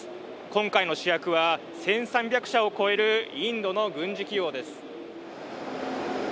今回の主役は１３００社を超えるインドの軍事企業です。